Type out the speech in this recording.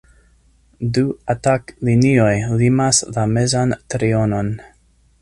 Du „atak-linioj“ limas la mezan trionon.